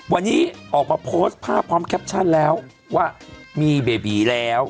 วันนี้ออกมาโพสต์ภาพพร้อมแคปชั่นแล้วว่ามีเบบีแล้ว